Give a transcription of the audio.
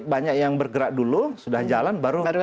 banyak yang bergerak dulu sudah jalan baru